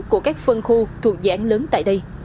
của các phân khu thuộc giãn lớn tại đây